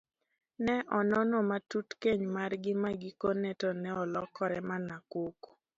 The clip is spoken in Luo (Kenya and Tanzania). Ne onono matut keny margi magikone to ne olokore mana koko.